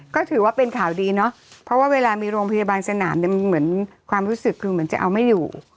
ก็ถือว่าเป็นข่าวดีเนาะเพราะว่าเวลามีโรงพยาบาลสนามเนี่ยเหมือนความรู้สึกคือเหมือนจะเอาไม่อยู่